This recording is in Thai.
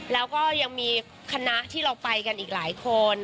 แล้วก็ยังมีคณะที่เราไปกันอีกหลายคน